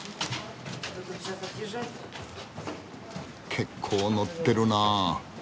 結構乗ってるなあ。